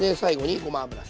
ごま油。